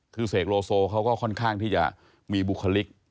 คือเสกโลโซเขาก็ค่อนข้างที่จะมีบุคลิก